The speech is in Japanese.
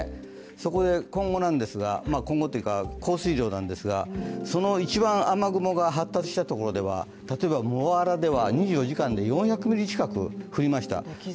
そこで今後というか、降水量なんですが、その一番雨雲が発達したところでは例えば茂原では２４時間で４００ミリ近く降りました。